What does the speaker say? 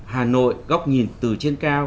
hà nội góc nhìn từ trên cao